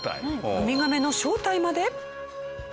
ウミガメの正体まで。